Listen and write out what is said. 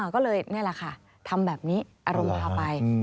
ก็เลยนี่แหละค่ะทำแบบนี้อารมณ์พาไป